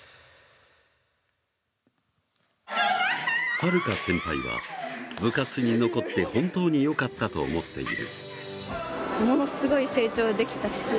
はるか先輩は部活に残って本当に良かったと思っている。